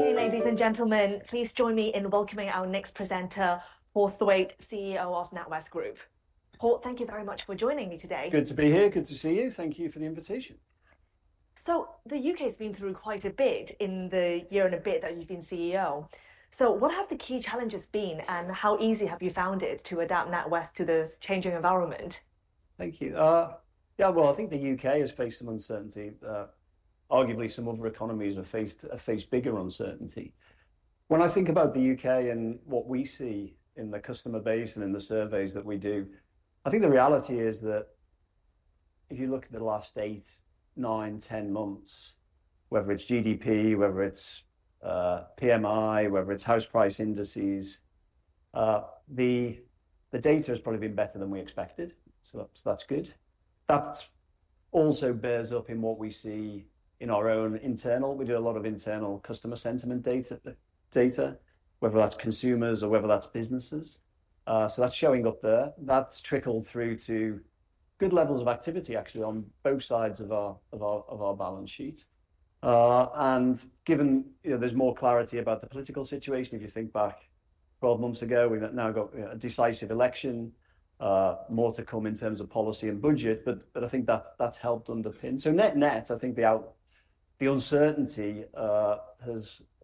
Ladies and gentlemen, please join me in welcoming our next presenter, Paul Thwaite, CEO of NatWest Group. Paul, thank you very much for joining me today. Good to be here, good to see you. Thank you for the invitation. So the U.K.'s been through quite a bit in the year and a bit that you've been CEO. So what have the key challenges been, and how easy have you found it to adapt NatWest to the changing environment? Thank you. Yeah, well, I think the U.K. has faced some uncertainty, arguably some other economies have faced bigger uncertainty. When I think about the U.K. and what we see in the customer base and in the surveys that we do, I think the reality is that if you look at the last eight, nine, ten months, whether it's GDP, whether it's PMI, whether it's house price indices, the data has probably been better than we expected, so that's good. That also bears up in what we see in our own internal. We do a lot of internal customer sentiment data, whether that's consumers or whether that's businesses. So that's showing up there. That's trickled through to good levels of activity, actually, on both sides of our balance sheet. And given, you know, there's more clarity about the political situation, if you think back 12 months ago, we've now got a decisive election, more to come in terms of policy and Budget, but I think that's helped underpin. So net, I think the uncertainty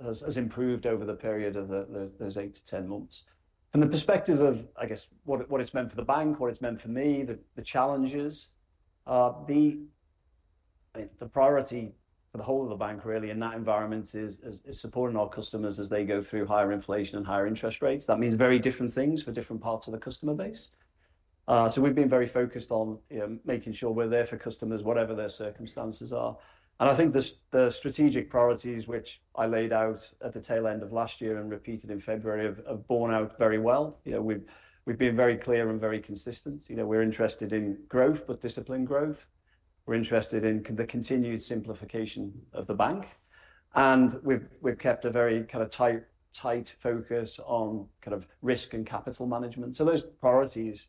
has improved over the period of those eight to 10 months. From the perspective of, I guess, what it's meant for the bank, what it's meant for me, the challenges, the priority for the whole of the bank, really, in that environment is supporting our customers as they go through higher inflation and higher interest rates. That means very different things for different parts of the customer base. So we've been very focused on, you know, making sure we're there for customers, whatever their circumstances are. I think the strategic priorities, which I laid out at the tail end of last year and repeated in February, have borne out very well. You know, we've been very clear and very consistent. You know, we're interested in growth, but disciplined growth. We're interested in the continued simplification of the bank, and we've kept a very kind of tight focus on kind of risk and capital management. So those priorities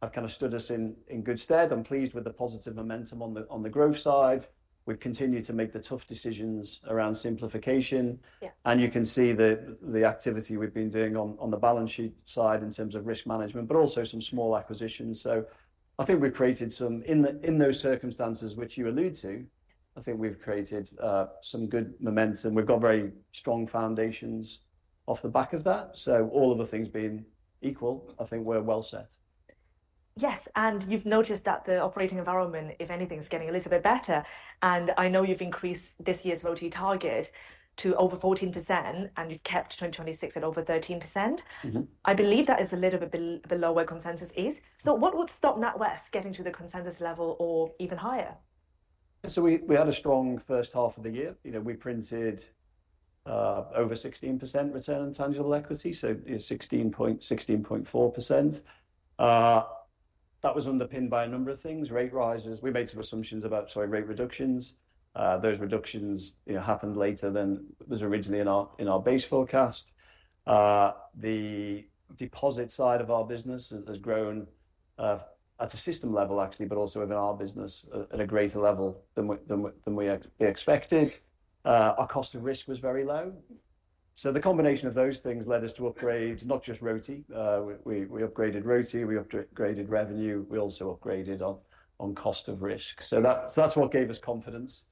have kind of stood us in good stead. I'm pleased with the positive momentum on the growth side. We've continued to make the tough decisions around simplification. Yeah. And you can see the activity we've been doing on the balance sheet side in terms of risk management, but also some small acquisitions. So I think we've created some... In those circumstances, which you allude to, I think we've created some good momentum. We've got very strong foundations off the back of that, so all other things being equal, I think we're well set. Yes, and you've noticed that the operating environment, if anything, is getting a little bit better, and I know you've increased this year's RoTE target to over 14%, and you've kept 2026 at over 13%. Mm-hmm. I believe that is a little bit below where consensus is. So what would stop NatWest getting to the consensus level or even higher? So we had a strong first half of the year. You know, we printed over 16% return on tangible equity, so 16.4%. That was underpinned by a number of things, rate rises. We made some assumptions about, sorry, rate reductions. Those reductions, you know, happened later than was originally in our base forecast. The deposit side of our business has grown at a system level, actually, but also within our business at a greater level than we expected. Our cost of risk was very low. So the combination of those things led us to upgrade, not just RoTE. We upgraded ROTI, we upgraded revenue, we also upgraded on cost of risk. So that's what gave us confidence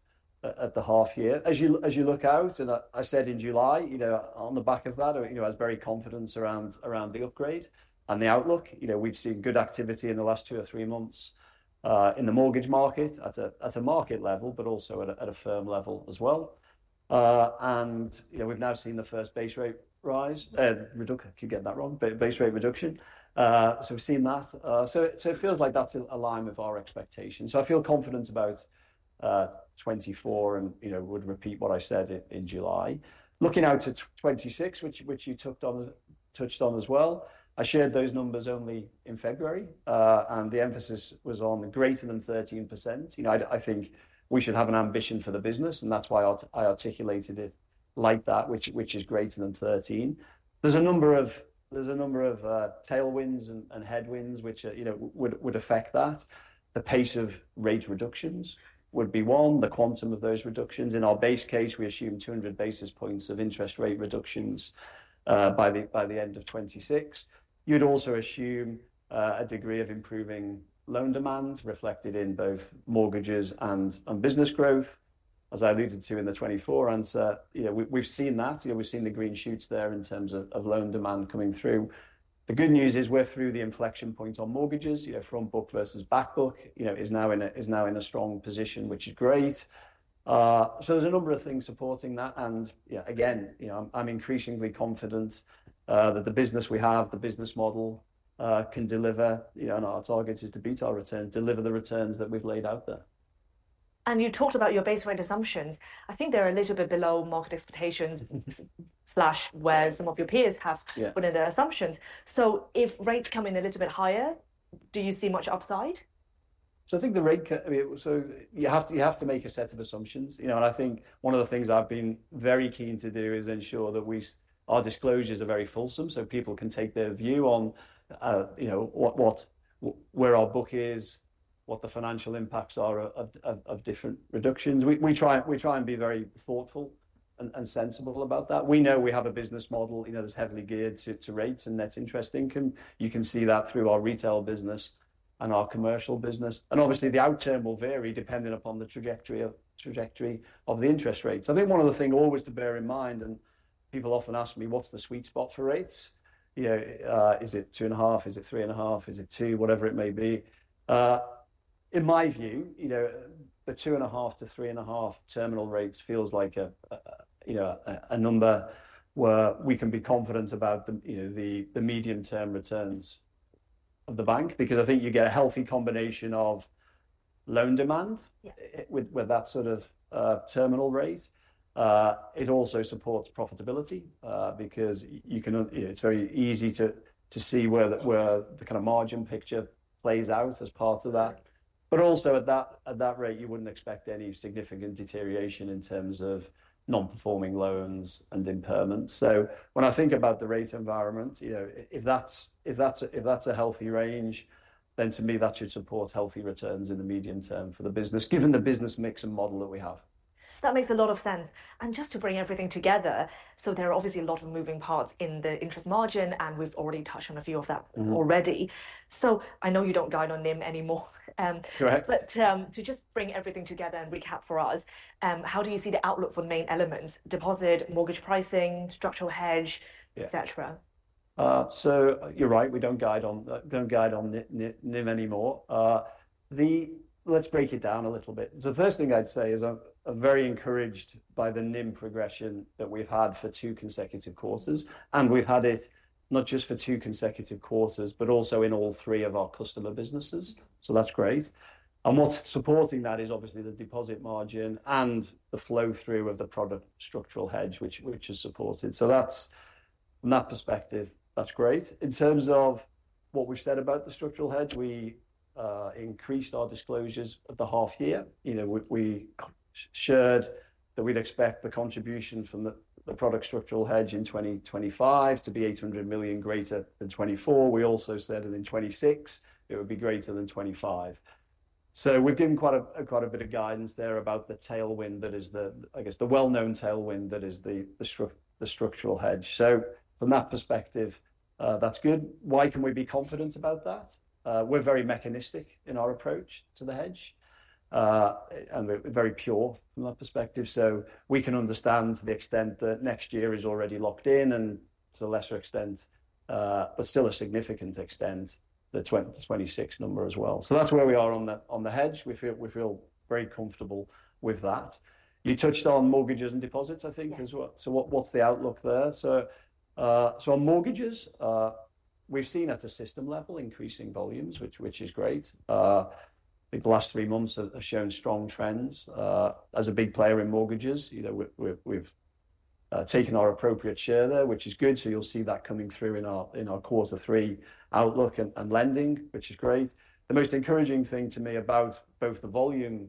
at the half year. As you look out, and I said in July, you know, on the back of that, you know, I was very confident around the upgrade and the outlook. You know, we've seen good activity in the last two or three months in the mortgage market, at a market level, but also at a firm level as well. And, you know, we've now seen the first base rate rise, keep getting that wrong, base rate reduction. So we've seen that. So, so it feels like that's in line with our expectations. So I feel confident about 2024 and, you know, would repeat what I said in July. Looking out to twenty-six, which you touched on as well, I shared those numbers only in February, and the emphasis was on greater than 13%. You know, I think we should have an ambition for the business, and that's why I articulated it like that, which is greater than 13%. There's a number of tailwinds and headwinds, which you know would affect that. The pace of rate reductions would be one, the quantum of those reductions. In our base case, we assume 200 basis points of interest rate reductions by the end of twenty-six. You'd also assume a degree of improving loan demand, reflected in both mortgages and business growth, as I alluded to in the twenty-four answer. You know, we've seen that. You know, we've seen the green shoots there in terms of loan demand coming through. The good news is we're through the inflection point on mortgages, you know, front book versus back book, you know, is now in a strong position, which is great. So there's a number of things supporting that, and, yeah, again, you know, I'm increasingly confident that the business we have, the business model can deliver, you know, and our target is to beat our return, deliver the returns that we've laid out there. You talked about your base rate assumptions. I think they're a little bit below market expectations... Mm-hmm... slash where some of your peers have- Yeah Put in their assumptions. So if rates come in a little bit higher, do you see much upside? I mean, so you have to, you have to make a set of assumptions, you know, and I think one of the things I've been very keen to do is ensure that our disclosures are very fulsome, so people can take their view on, you know, what where our book is, what the financial impacts are of different reductions. We try and be very thoughtful and sensible about that. We know we have a business model, you know, that's heavily geared to rates, and net interest income. You can see that through our retail business and our commercial business, and obviously, the outcome will vary depending upon the trajectory of the interest rates. I think one other thing always to bear in mind, and people often ask me: "What's the sweet spot for rates? You know, is it two and a half? Is it three and a half? Is it two?" Whatever it may be. In my view, you know, the two and a half to three and a half terminal rates feels like a, you know, a number where we can be confident about the, you know, the medium-term returns of the bank. Because I think you get a healthy combination of loan demand- Yeah. With that sort of terminal rate. It also supports profitability because you can... You know, it's very easy to see where the kind of margin picture plays out as part of that. But also at that rate, you wouldn't expect any significant deterioration in terms of non-performing loans and impairments. So when I think about the rate environment, you know, if that's a healthy range, then to me, that should support healthy returns in the medium term for the business, given the business mix and model that we have. That makes a lot of sense. And just to bring everything together, so there are obviously a lot of moving parts in the interest margin, and we've already touched on a few of that- Mm-hmm. already. So I know you don't guide on NIM anymore. Correct. But, to just bring everything together and recap for us, how do you see the outlook for the main elements: deposit, mortgage pricing, structural hedge- Yeah et cetera? So you're right, we don't guide on NIM anymore. Let's break it down a little bit. So the first thing I'd say is I'm very encouraged by the NIM progression that we've had for two consecutive quarters, and we've had it not just for two consecutive quarters, but also in all three of our customer businesses, so that's great. Mm-hmm. And what's supporting that is obviously the deposit margin and the flow-through of the product structural hedge, which is supported. So that's from that perspective that's great. In terms of what we've said about the structural hedge, we increased our disclosures at the half year. You know, we shared that we'd expect the contribution from the product structural hedge in twenty twenty-five to be 800 million greater than twenty-four. We also said that in twenty twenty-six, it would be greater than twenty-five. So we've given quite a bit of guidance there about the tailwind that is the, I guess, the well-known tailwind that is the structural hedge. So from that perspective, that's good. Why can we be confident about that? We're very mechanistic in our approach to the hedge, and we're very pure from that perspective. So we can understand the extent that next year is already locked in and to a lesser extent, but still a significant extent, the 2025 to 2026 number as well. So that's where we are on the hedge. We feel very comfortable with that. You touched on mortgages and deposits, I think, as well. Yes. So what, what's the outlook there? So, so on mortgages, we've seen at a system level, increasing volumes, which is great. I think the last three months have shown strong trends. As a big player in mortgages, you know, we've taken our appropriate share there, which is good, so you'll see that coming through in our quarter three outlook and lending, which is great. The most encouraging thing to me about both the volume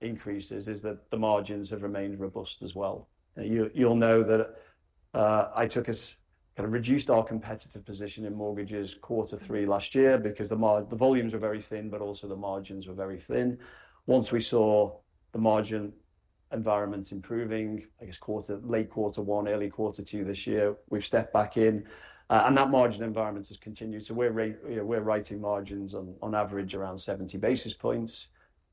increases is that the margins have remained robust as well. You'll know that, I took us kind of reduced our competitive position in mortgages quarter three last year because the volumes were very thin, but also the margins were very thin. Once we saw the margin environment improving, I guess late quarter one, early quarter two this year, we've stepped back in, and that margin environment has continued. So we're, you know, writing margins on average around seventy basis points.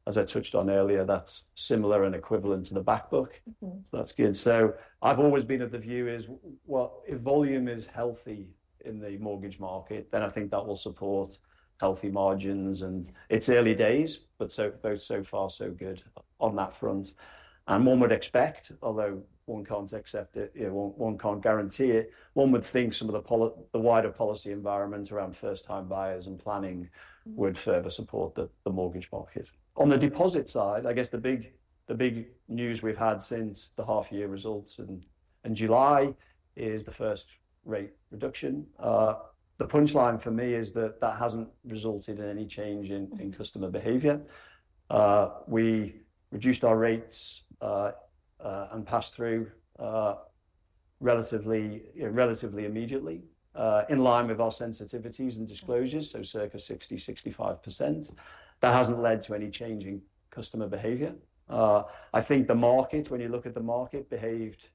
As I touched on earlier, that's similar and equivalent to the back book. Mm-hmm. So that's good. So I've always been of the view is, well, if volume is healthy in the mortgage market, then I think that will support healthy margins, and- Yeah... it's early days, but so far, so good on that front. One would expect, although one can't accept it, yeah, one can't guarantee it, one would think some of the wider policy environment around first-time buyers and planning- Mm-hmm... would further support the mortgage market. On the deposit side, I guess the big news we've had since the half year results in July is the first rate reduction. The punchline for me is that that hasn't resulted in any change in- Mm-hmm... in customer behavior. We reduced our rates and passed through relatively, relatively immediately in line with our sensitivities and disclosures, so circa 60-65%. That hasn't led to any change in customer behavior. I think the market, when you look at the market, behaved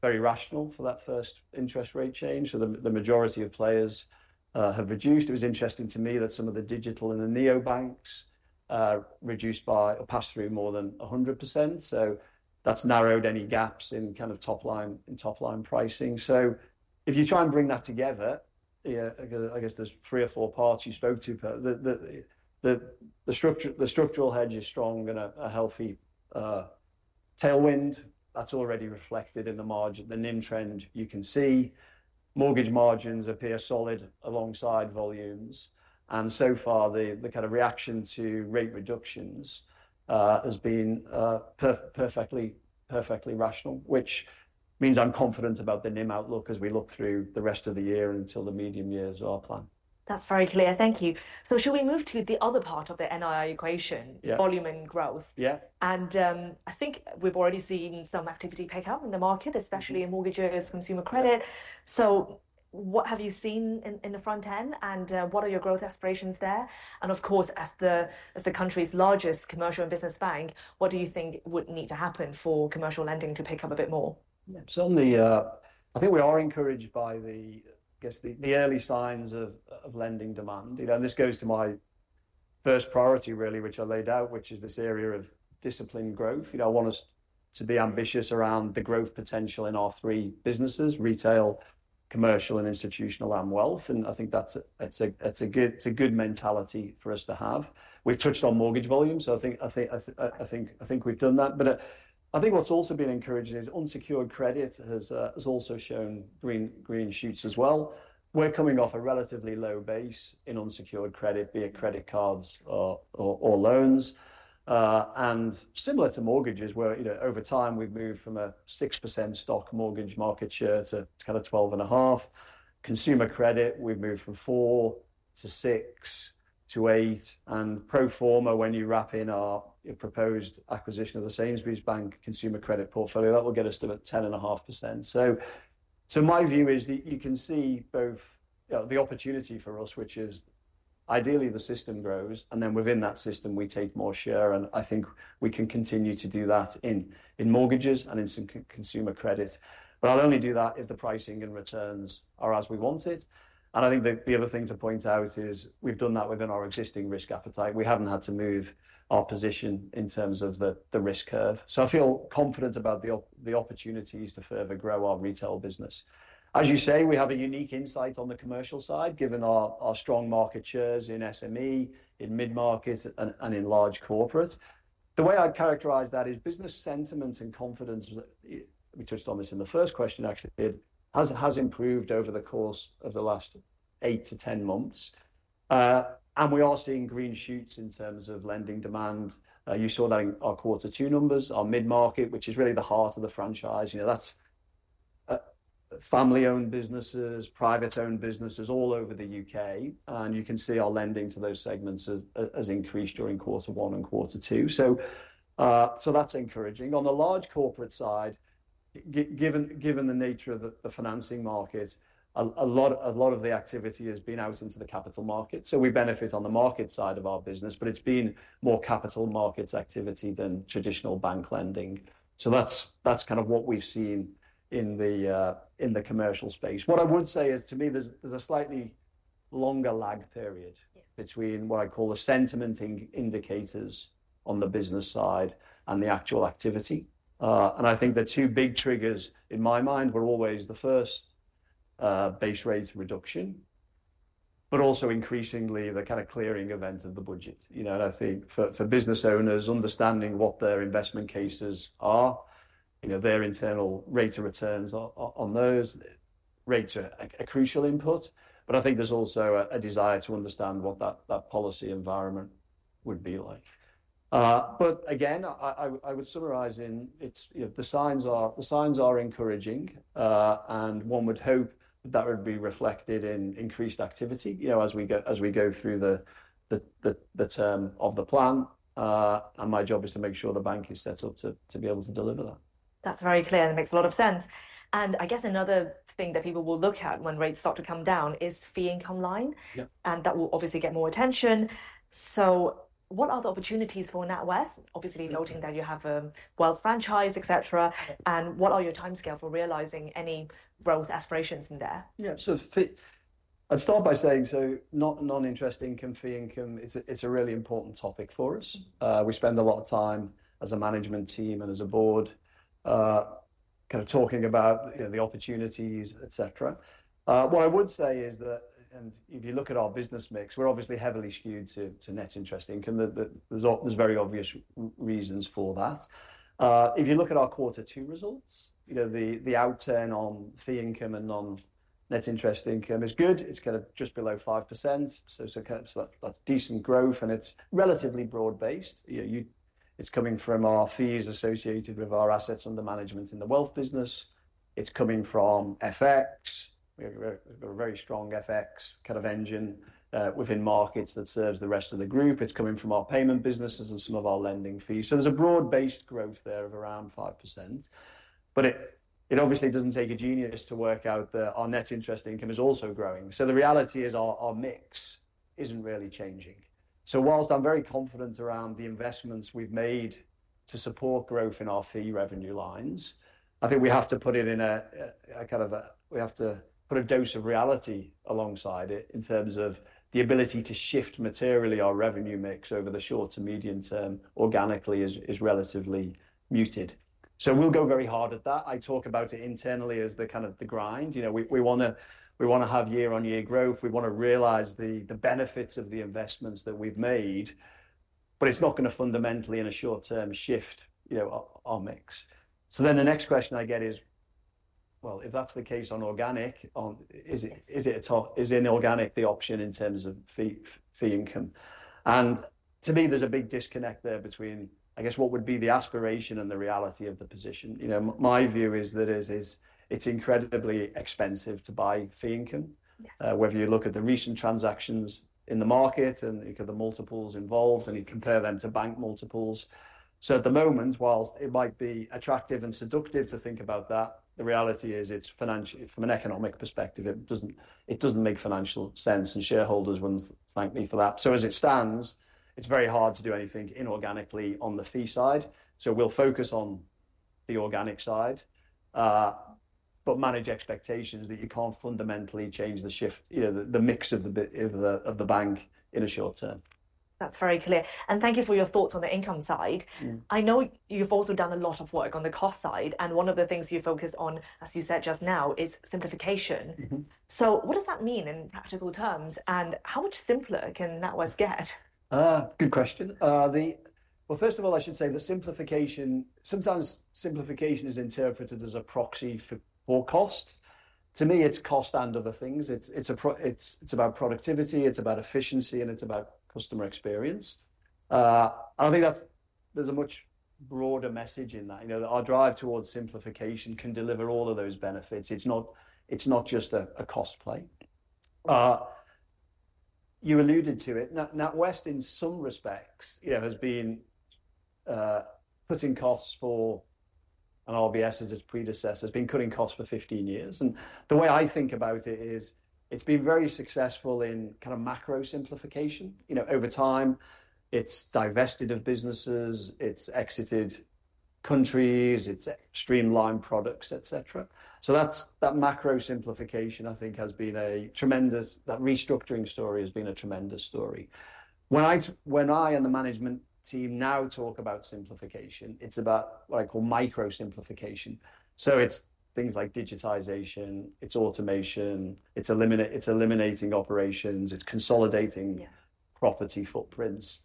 very rational for that first interest rate change, so the majority of players have reduced. It was interesting to me that some of the digital and the neobanks reduced by or passed through more than 100%, so that's narrowed any gaps in kind of top-line pricing. So if you try and bring that together, yeah, I guess there's three or four parts you spoke to, but the structural hedge is strong and a healthy tailwind that's already reflected in the margin. The NIM trend, you can see. Mortgage margins appear solid alongside volumes, and so far, the kind of reaction to rate reductions has been perfectly rational, which means I'm confident about the NIM outlook as we look through the rest of the year until the medium years of our plan. That's very clear. Thank you. So shall we move to the other part of the NII equation? Yeah... volume and growth? Yeah. I think we've already seen some activity pick up in the market, especially in mortgages, consumer credit. Yeah. What have you seen in the front end, and what are your growth aspirations there? And of course, as the country's largest commercial and business bank, what do you think would need to happen for commercial lending to pick up a bit more? So, I think we are encouraged by the, I guess, the early signs of lending demand. You know, and this goes to my first priority, really, which I laid out, which is this area of disciplined growth. You know, I want us to be ambitious around the growth potential in all three businesses: retail, commercial, and institutional and wealth, and I think that's a good mentality for us to have. We've touched on mortgage volumes, so I think we've done that. But, I think what's also been encouraging is unsecured credit has also shown green shoots as well. We're coming off a relatively low base in unsecured credit, be it credit cards or loans. And similar to mortgages, where, you know, over time we've moved from a 6% stock mortgage market share to kind of 12.5%. Consumer credit, we've moved from 4% to 6% to 8%, and pro forma, when you wrap in our proposed acquisition of the Sainsbury's Bank consumer credit portfolio, that will get us to about 10.5%. So my view is that you can see both the opportunity for us, which is ideally the system grows, and then within that system, we take more share, and I think we can continue to do that in mortgages and in some consumer credit. But I'll only do that if the pricing and returns are as we want it, and I think the other thing to point out is we've done that within our existing risk appetite. We haven't had to move our position in terms of the risk curve. So I feel confident about the opportunities to further grow our retail business. As you say, we have a unique insight on the commercial side, given our strong market shares in SME, in mid-market, and in large corporates. The way I'd characterise that is business sentiment and confidence. We touched on this in the first question, actually, it has improved over the course of the last eight-to-ten months. And we are seeing green shoots in terms of lending demand. You saw that in our quarter two numbers, our mid-market, which is really the heart of the franchise, you know, that's family-owned businesses, private-owned businesses all over the U.K., and you can see our lending to those segments has increased during quarter one and quarter two. So that's encouraging. On the large corporate side, given the nature of the financing markets, a lot of the activity has been out into the capital market. So we benefit on the market side of our business, but it's been more capital markets activity than traditional bank lending. So that's kind of what we've seen in the commercial space. What I would say is, to me, there's a slightly longer lag period- Yeah... between what I call the sentiment indicators on the business side and the actual activity, and I think the two big triggers, in my mind, were always the first base rate reduction, but also increasingly the kind of clearing event of the Budget. You know, and I think for business owners, understanding what their investment cases are, you know, their internal rate of returns on those rates are a crucial input, but I think there's also a desire to understand what that policy environment would be like, but again, I would summarize it. It's, you know, the signs are encouraging, and one would hope that that would be reflected in increased activity, you know, as we go through the term of the plan. And my job is to make sure the bank is set up to be able to deliver that. That's very clear, and it makes a lot of sense. And I guess another thing that people will look at when rates start to come down is fee income line. Yeah. And that will obviously get more attention. So what are the opportunities for NatWest? Obviously, noting that you have a wealth franchise, et cetera, and what are your timescale for realizing any growth aspirations in there? Yeah, so I'd start by saying, so not non-interest income, fee income, it's a, it's a really important topic for us. Mm. We spend a lot of time as a management team and as a board, kind of talking about, you know, the opportunities, et cetera. What I would say is that, and if you look at our business mix, we're obviously heavily skewed to net interest income. There's very obvious reasons for that. If you look at our quarter two results, you know, the outturn on fee income and non-net interest income is good. It's kind of just below 5%, so that's decent growth, and it's relatively broad-based. You know, it's coming from our fees associated with our assets under management in the wealth business. It's coming from FX. We've got a very strong FX kind of engine within markets that serves the rest of the group. It's coming from our payment businesses and some of our lending fees. So there's a broad-based growth there of around 5%, but it obviously doesn't take a genius to work out that our net interest income is also growing. So the reality is our mix isn't really changing. So while I'm very confident around the investments we've made to support growth in our fee revenue lines, I think we have to put it in a kind of a... We have to put a dose of reality alongside it in terms of the ability to shift materially our revenue mix over the short to medium term, organically is relatively muted. So we'll go very hard at that. I talk about it internally as the kind of the grind, you know, we wanna have year-on-year growth. We wanna realize the benefits of the investments that we've made, but it's not gonna fundamentally, in a short term, shift, you know, our mix. So then the next question I get is, "Well, if that's the case on organic, is inorganic the option in terms of fee income?" To me, there's a big disconnect there between, I guess, what would be the aspiration and the reality of the position. You know, my view is that it's incredibly expensive to buy fee income, whether you look at the recent transactions in the market, and you look at the multiples involved, and you compare them to bank multiples. So at the moment, while it might be attractive and seductive to think about that, the reality is it's financial, from an economic perspective, it doesn't make financial sense, and shareholders wouldn't thank me for that. So as it stands, it's very hard to do anything inorganically on the fee side, so we'll focus on the organic side. But manage expectations that you can't fundamentally change the shift, you know, the mix of the bank in the short term. That's very clear, and thank you for your thoughts on the income side. Mm. I know you've also done a lot of work on the cost side, and one of the things you focused on, as you said just now, is simplification. Mm-hmm. So what does that mean in practical terms, and how much simpler can NatWest get? Good question. First of all, I should say that simplification, sometimes simplification is interpreted as a proxy for more cost. To me, it's cost and other things. It's about productivity, it's about efficiency, and it's about customer experience. I think that's. There's a much broader message in that. You know, our drive towards simplification can deliver all of those benefits. It's not just a cost play. You alluded to it. NatWest, in some respects, you know, has been cutting costs, and RBS as its predecessor, has been cutting costs for 15 years. The way I think about it is, it's been very successful in kind of macro simplification. You know, over time, it's divested of businesses, it's exited countries, it's streamlined products, et cetera. So that's that macro simplification, I think, that restructuring story has been a tremendous story. When I and the management team now talk about simplification, it's about what I call micro-simplification. So it's things like digitization, it's automation, it's eliminating operations, it's consolidating- Yeah... property footprints.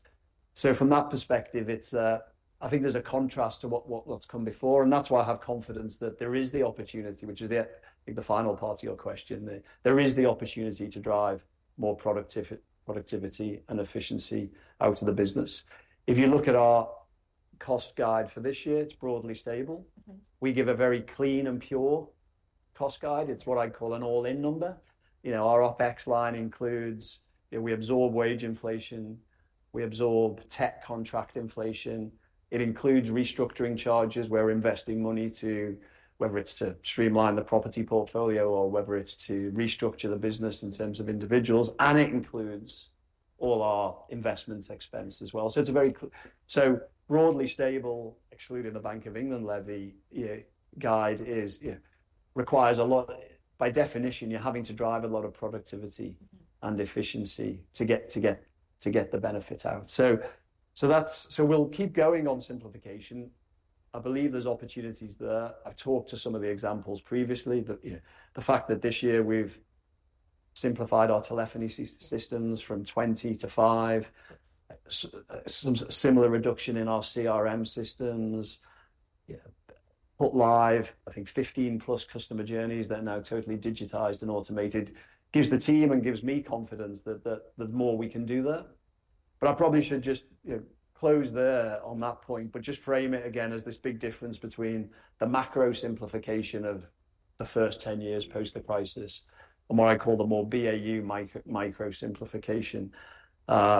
So from that perspective, it's, I think there's a contrast to what what's come before, and that's why I have confidence that there is the opportunity, which is the, I think, the final part of your question. There is the opportunity to drive more productivity and efficiency out of the business. If you look at our cost guide for this year, it's broadly stable. Mm-hmm. We give a very clean and pure cost guide. It's what I'd call an all-in number. You know, our OpEx line includes... You know, we absorb wage inflation, we absorb tech contract inflation. It includes restructuring charges. We're investing money to, whether it's to streamline the property portfolio or whether it's to restructure the business in terms of individuals, and it includes all our investment expense as well. So it's a very so broadly stable, excluding the Bank of England levy, you know, guide is, you know, requires a lot. By definition, you're having to drive a lot of productivity- Mm... and efficiency to get the benefit out. So that's so we'll keep going on simplification. I believe there's opportunities there. I've talked to some of the examples previously, that, you know, the fact that this year we've simplified our telephony systems from 20 to 5. Similar reduction in our CRM systems, yeah, put live, I think 15-plus customer journeys that are now totally digitized and automated, gives the team and gives me confidence that there's more we can do there. But I probably should just, you know, close there on that point, but just frame it again as this big difference between the macro simplification of the first 10 years post the crisis and what I call the more BAU micro-simplification,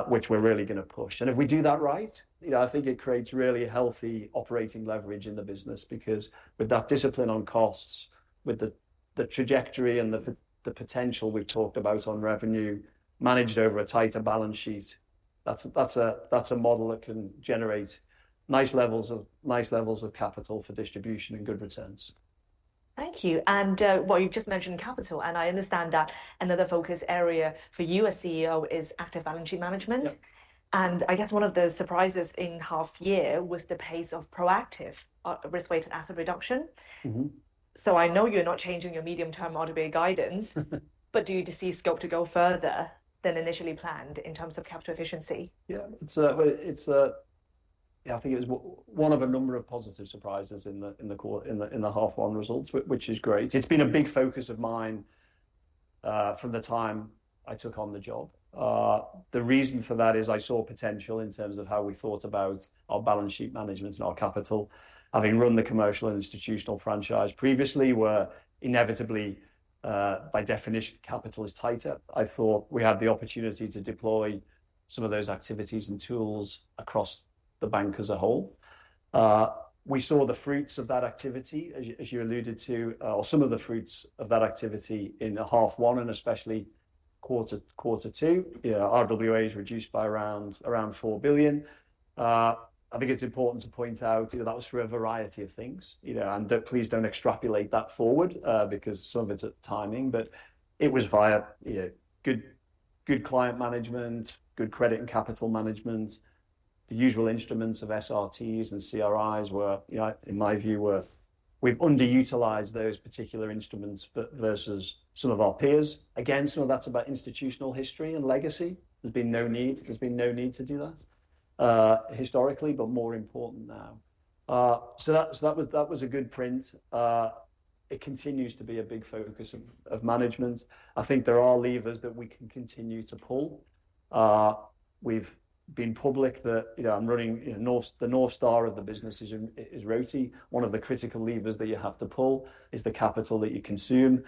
which we're really gonna push. If we do that right, you know, I think it creates really healthy operating leverage in the business, because with that discipline on costs, with the trajectory and the potential we've talked about on revenue, managed over a tighter balance sheet, that's a model that can generate nice levels of capital for distribution and good returns. Thank you. And, well, you've just mentioned capital, and I understand that another focus area for you as CEO is active balance sheet management. Yep. I guess one of the surprises in half year was the pace of proactive risk-weighted asset reduction. Mm-hmm. So I know you're not changing your medium-term RWA guidance - but do you see scope to go further than initially planned in terms of capital efficiency? Yeah, it's well, it's... Yeah, I think it was one of a number of positive surprises in the half one results, which is great. It's been a big focus of mine from the time I took on the job. The reason for that is, I saw potential in terms of how we thought about our balance sheet management and our capital. Having run the commercial and institutional franchise previously, where inevitably by definition, capital is tighter, I thought we had the opportunity to deploy some of those activities and tools across the bank as a whole. We saw the fruits of that activity, as you alluded to, or some of the fruits of that activity in half one and especially quarter two. You know, RWA is reduced by around 4 billion. I think it's important to point out that was for a variety of things, you know, and don't, please don't extrapolate that forward, because some of it's at timing, but it was via, you know, good client management, good credit and capital management. The usual instruments of SRTs and CRIs were, you know, in my view, underutilized, but versus some of our peers. Again, some of that's about institutional history and legacy. There's been no need to do that historically, but more important now. So that was a good print. It continues to be a big focus of management. I think there are levers that we can continue to pull. We've... been public that, you know, I'm running, you know, the North Star of the business is RoTE. One of the critical levers that you have to pull is the capital that you consume.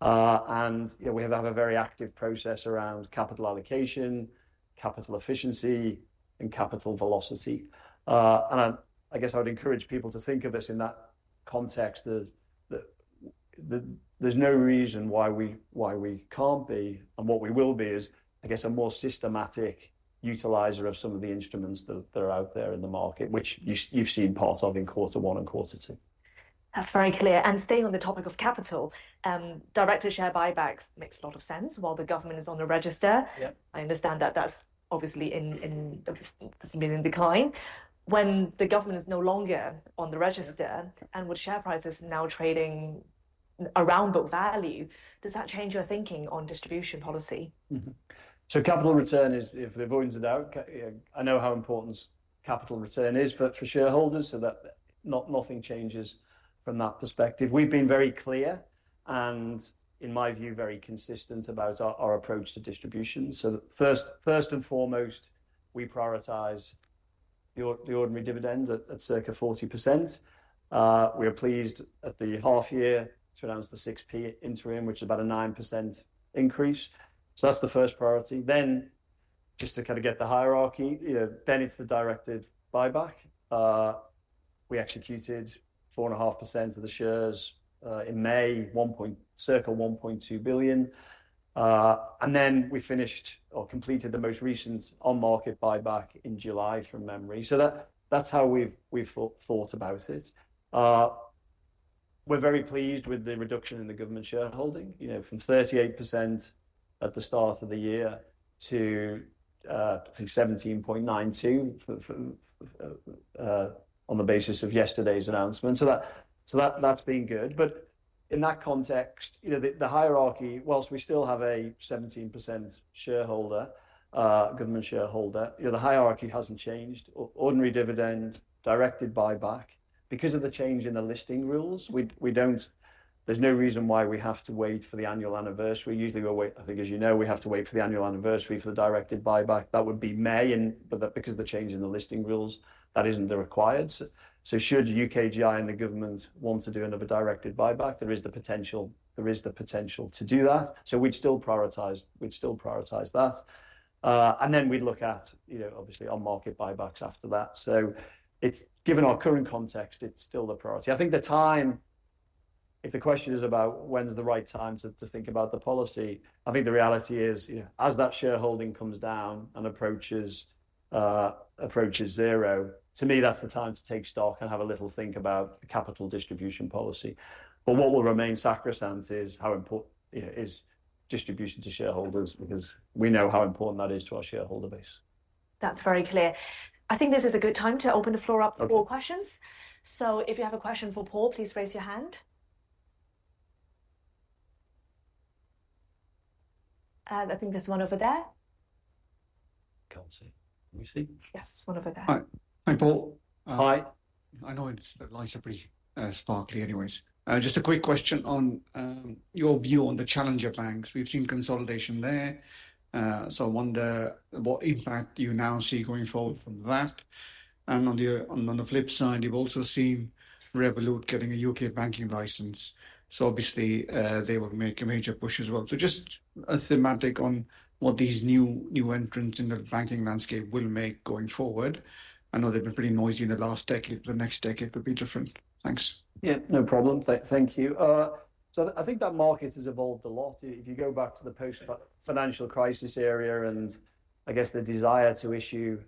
And, you know, we have a very active process around capital allocation, capital efficiency, and capital velocity. And I guess I would encourage people to think of this in that context, that there's no reason why we can't be, and what we will be is, I guess, a more systematic utilizer of some of the instruments that are out there in the market, which you've seen part of in quarter one and quarter two. That's very clear, and staying on the topic of capital, directed share buybacks makes a lot of sense while the government is on the register. Yeah. I understand that that's obviously in decline. It's been in decline. When the government is no longer on the register- Yeah And with share prices now trading around book value, does that change your thinking on distribution policy? Mm-hmm. Capital return is, without a doubt, I know how important capital return is for shareholders, so that nothing changes from that perspective. We've been very clear, and in my view, very consistent about our approach to distribution. First and foremost, we prioritize the ordinary dividend at circa 40%. We are pleased at the half year to announce the 6p interim, which is about a 9% increase. That's the first priority. Just to kinda get the hierarchy, you know, it's the directed buyback. We executed 4.5% of the shares in May, circa 1.2 billion. And then we completed the most recent on-market buyback in July, from memory. That's how we've thought about it. We're very pleased with the reduction in the government shareholding, you know, from 38% at the start of the year to, I think, 17.92%, on the basis of yesterday's announcement. That's been good, but in that context, you know, the hierarchy, while we still have a 17% shareholder, government shareholder, you know, the hierarchy hasn't changed. Ordinary dividend, directed buyback. Because of the change in the listing rules, we don't. There's no reason why we have to wait for the annual anniversary. We usually wait. I think, as you know, we have to wait for the annual anniversary for the directed buyback. That would be May, but because of the change in the listing rules, that isn't required. So should UKGI and the government want to do another directed buyback, there is the potential to do that. So we'd still prioritize that. And then we'd look at, you know, obviously, on-market buybacks after that. So it's, given our current context, it's still the priority. I think the time, if the question is about when's the right time to think about the policy, I think the reality is, you know, as that shareholding comes down and approaches zero, to me, that's the time to take stock and have a little think about the capital distribution policy. But what will remain sacrosanct is how important, you know, is distribution to shareholders, because we know how important that is to our shareholder base. That's very clear. I think this is a good time to open the floor up. Okay For questions. So if you have a question for Paul, please raise your hand. I think there's one over there. Can't see. Can we see? Yes, there's one over there. Hi. Hi, Paul. Hi. I know it's, the lights are pretty, sparkly anyways. Just a quick question on your view on the challenger banks. We've seen consolidation there, so I wonder what impact you now see going forward from that? And on the flip side, you've also seen Revolut getting a U.K. banking license, so obviously, they will make a major push as well. So just a thematic on what these new entrants in the banking landscape will make going forward. I know they've been pretty noisy in the last decade. The next decade could be different. Thanks. Yeah, no problem. Thank you. So I think that market has evolved a lot. If you go back to the post-financial crisis era, and I guess the desire to issue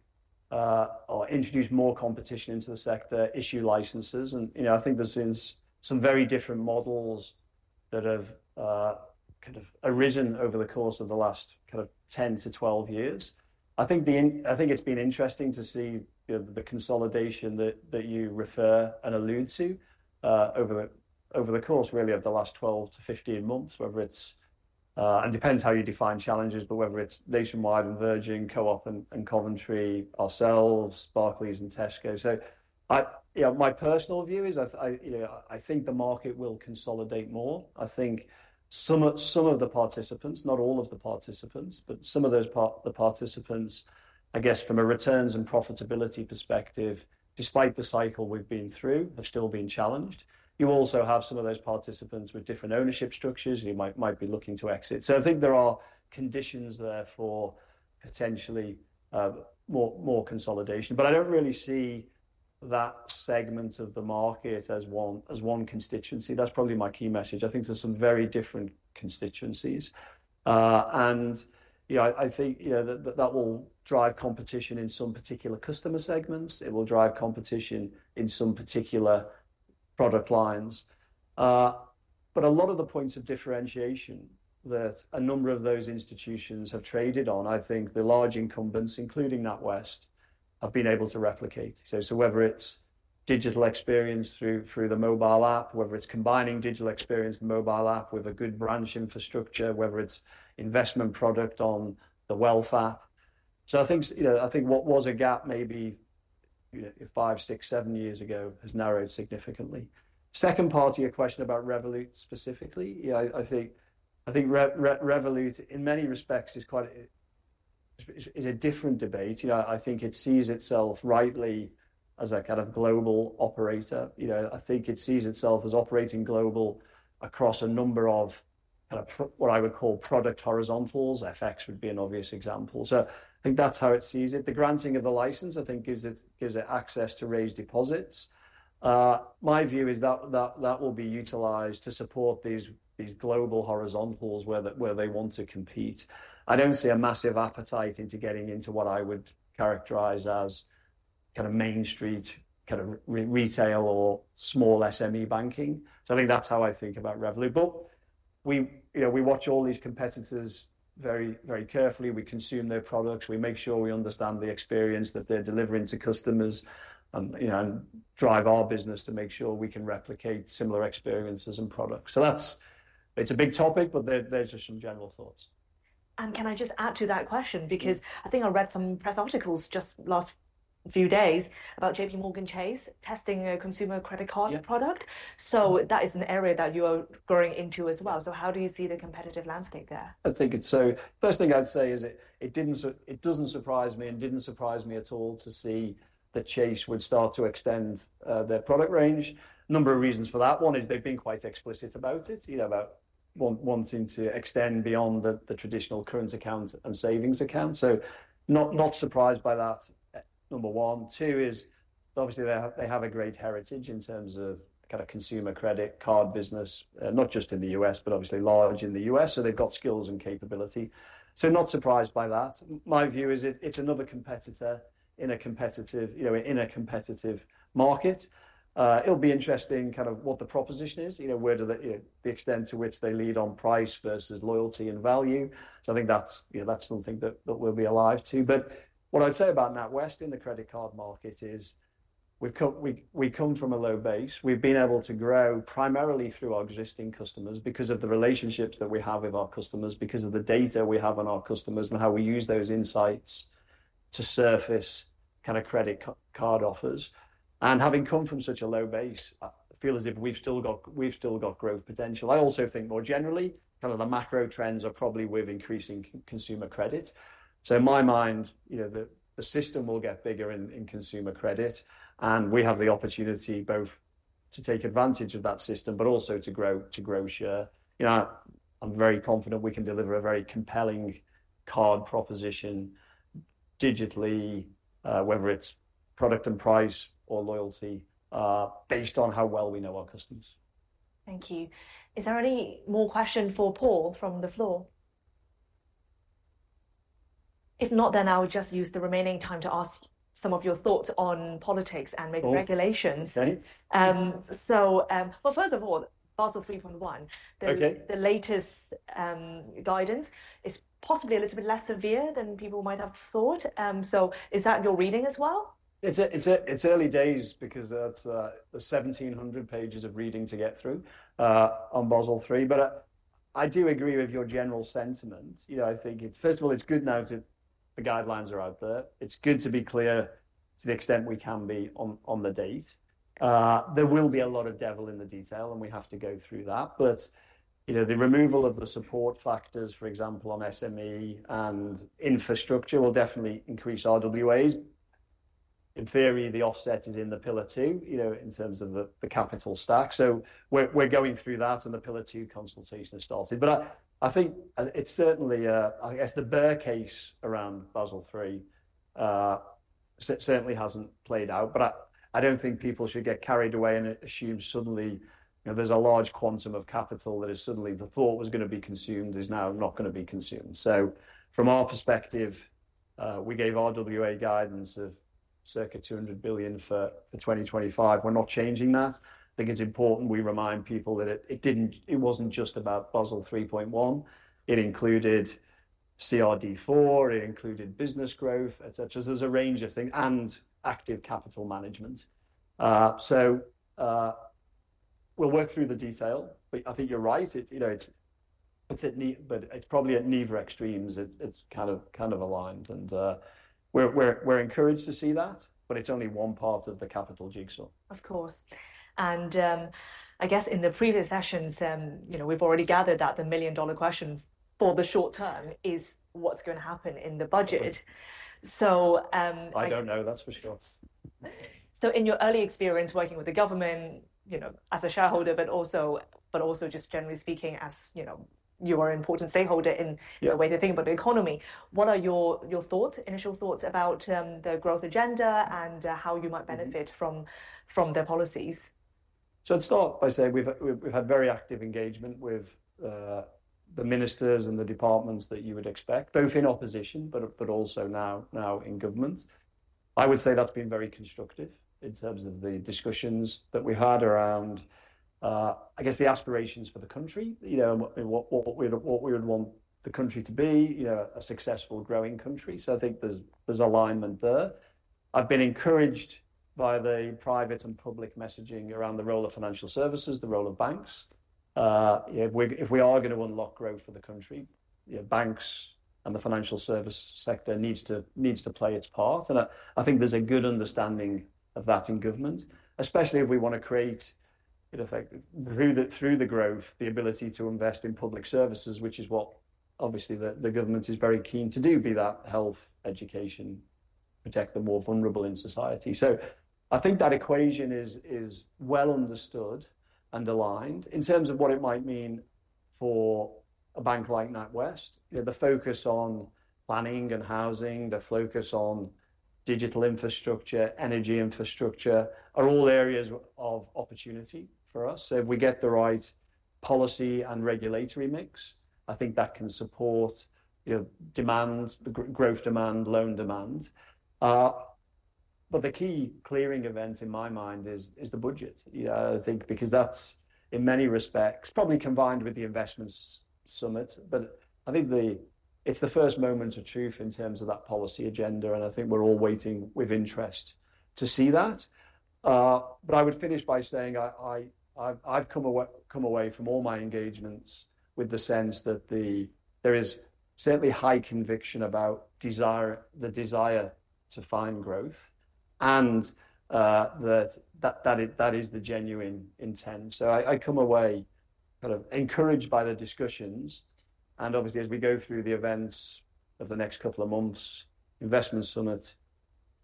or introduce more competition into the sector, issue licenses, and, you know, I think there's been some very different models that have kind of arisen over the course of the last kind of ten to twelve years. I think it's been interesting to see the consolidation that you refer and allude to over the course, really, of the last twelve to fifteen months, whether it's and depends how you define challenges, but whether it's Nationwide and Virgin, Co-op and Coventry, ourselves, Barclays and Tesco. You know, my personal view is I you know, I think the market will consolidate more. I think some of the participants, not all of the participants, but some of those part, the participants, I guess, from a returns and profitability perspective, despite the cycle we've been through, have still been challenged. You also have some of those participants with different ownership structures who might be looking to exit. So I think there are conditions there for potentially more consolidation, but I don't really see that segment of the market as one constituency. That's probably my key message. I think there are some very different constituencies. And you know, I think that will drive competition in some particular customer segments. It will drive competition in some particular product lines. But a lot of the points of differentiation that a number of those institutions have traded on, I think the large incumbents, including NatWest, have been able to replicate. So whether it's digital experience through the mobile app, whether it's combining digital experience, the mobile app, with a good branch infrastructure, whether it's investment product on the wealth app. So I think, you know, I think what was a gap maybe you know, five, six, seven years ago, has narrowed significantly. Second part to your question about Revolut specifically, yeah, I think Revolut, in many respects is quite a different debate. You know, I think it sees itself rightly as a kind of global operator, you know. I think it sees itself as operating global across a number of kind of what I would call product horizontals, FX would be an obvious example, so I think that's how it sees it. The granting of the license, I think gives it access to raise deposits. My view is that that will be utilized to support these global horizontals where they want to compete. I don't see a massive appetite into getting into what I would characterize as kind of Main Street, kind of retail or small SME banking, so I think that's how I think about Revolut, but we, you know, we watch all these competitors very, very carefully. We consume their products. We make sure we understand the experience that they're delivering to customers and, you know, and drive our business to make sure we can replicate similar experiences and products. So that's... It's a big topic, but there's just some general thoughts. And can I just add to that question? Mm-hmm. Because I think I read some press articles just last few days about JPMorgan Chase testing a consumer credit card. Yeah... product. So that is an area that you are growing into as well. So how do you see the competitive landscape there? I think it's. So first thing I'd say is it doesn't surprise me and didn't surprise me at all to see that Chase would start to extend their product range. A number of reasons for that. One is they've been quite explicit about it, you know, about wanting to extend beyond the traditional current account and savings account, so not surprised by that, number one. Two is, obviously, they have a great heritage in terms of kind of consumer credit card business, not just in the U.S., but obviously large in the U.S., so they've got skills and capability. So not surprised by that. My view is it's another competitor in a competitive, you know, in a competitive market. It'll be interesting kind of what the proposition is, you know, whether the extent to which they lead on price versus loyalty and value. So I think that's, you know, that's something that we'll be alive to. But what I'd say about NatWest in the credit card market is, we've come from a low base. We've been able to grow primarily through our existing customers because of the relationships that we have with our customers, because of the data we have on our customers, and how we use those insights to surface kind of credit card offers. And having come from such a low base, I feel as if we've still got growth potential. I also think more generally, kind of the macro trends are probably with increasing consumer credit. So in my mind, you know, the system will get bigger in consumer credit, and we have the opportunity both to take advantage of that system, but also to grow share. You know, I'm very confident we can deliver a very compelling card proposition digitally, whether it's product and price or loyalty, based on how well we know our customers. Thank you. Is there any more question for Paul from the floor? If not, then I would just use the remaining time to ask some of your thoughts on politics and maybe- Oh! - regulations. Okay. First of all, Basel 3.1. Okay. The latest guidance is possibly a little bit less severe than people might have thought. So is that your reading as well? It's early days because that's seventeen hundred pages of reading to get through on Basel III. But I do agree with your general sentiment. You know, I think first of all it's good now the guidelines are out there. It's good to be clear, to the extent we can be, on the date. There will be a lot of devil in the detail, and we have to go through that. But, you know, the removal of the support factors, for example, on SME and infrastructure, will definitely increase RWAs. In theory, the offset is in the Pillar Two, you know, in terms of the capital stack. So we're going through that, and the Pillar Two consultation has started. But I think, I guess, the bear case around Basel III certainly hasn't played out. But I don't think people should get carried away and assume suddenly, you know, there's a large quantum of capital that is suddenly, the thought was gonna be consumed, is now not gonna be consumed. So from our perspective, we gave RWA guidance of circa 200 billion for 2025. We're not changing that. I think it's important we remind people that it didn't, it wasn't just about Basel 3.1, it included CRD IV, it included business growth, et cetera. There's a range of things, and active capital management. So, we'll work through the detail, but I think you're right. It, you know, it's, it's at but it's probably at neither extremes. It's kind of aligned, and we're encouraged to see that, but it's only one part of the capital jigsaw. Of course. And, I guess in the previous sessions, you know, we've already gathered that the million-dollar question for the short term is: what's gonna happen in the Budget? Mm-hmm. So, um- I don't know. That's for sure. So in your early experience working with the government, you know, as a shareholder, but also just generally speaking, as, you know, you are an important stakeholder in- Yeah... the way they think about the economy, what are your thoughts, initial thoughts about the growth agenda and how you might- Mm-hmm... benefit from their policies? I'd start by saying we've had very active engagement with the ministers and the departments that you would expect, both in opposition, but also now in government. I would say that's been very constructive in terms of the discussions that we had around I guess the aspirations for the country. You know, what we would want the country to be, you know, a successful, growing country. So I think there's alignment there. I've been encouraged by the private and public messaging around the role of financial services, the role of banks. If we are going to unlock growth for the country, the banks and the financial service sector needs to play its part. I think there's a good understanding of that in government, especially if we want to create, in effect, through the growth, the ability to invest in public services, which is what obviously the government is very keen to do, be that health, education, protect the more vulnerable in society. So I think that equation is well understood and aligned. In terms of what it might mean for a bank like NatWest, you know, the focus on planning and housing, the focus on digital infrastructure, energy infrastructure, are all areas of opportunity for us. So if we get the right policy and regulatory mix, I think that can support, you know, demand, the growth demand, loan demand, but the key clearing event, in my mind, is the Budget. Yeah, I think because that's, in many respects, probably combined with the Investment Summit, but I think the-- it's the first moment of truth in terms of that policy agenda, and I think we're all waiting with interest to see that. But I would finish by saying I've come away from all my engagements with the sense that there is certainly high conviction about the desire to find growth and that is the genuine intent. So I come away kind of encouraged by the discussions, and obviously, as we go through the events of the next couple of months, Investment Summit,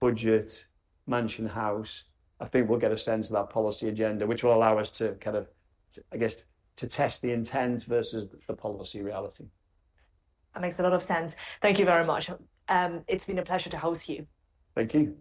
Budget, Mansion House, I think we'll get a sense of that policy agenda, which will allow us to kind of, I guess, to test the intent versus the policy reality. That makes a lot of sense. Thank you very much. It's been a pleasure to host you. Thank you.